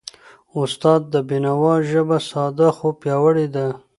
استاد د بینوا ژبه ساده، خو پیاوړی ده.